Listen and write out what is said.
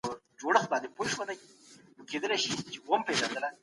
هغه نوي طريقې چي کارول کېږي د اقتصاد سره مرسته کوي.